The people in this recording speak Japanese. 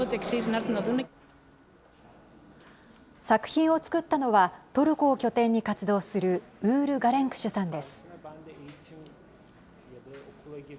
作品を作ったのは、トルコを拠点に活動するウール・ガレンクシュさんです。